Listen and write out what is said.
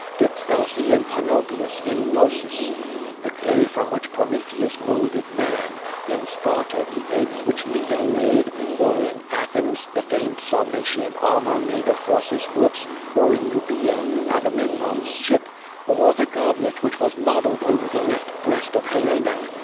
Didst thou see in Panopeus, in Phocis, the clay from which Prometheus moulded man, in Sparta the eggs which Leda laid, or, in Athens, the famed Sarmatian armor made of horses hoofs, or in Euboea, Agamemnon's ship: or the goblet which was mod eled over the left breast of Helena?